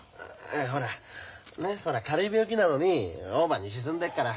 ほらねっほら軽い病気なのにオーバーに沈んでっから。